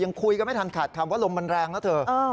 คุยกันไม่ทันขาดคำว่าลมมันแรงนะเธอ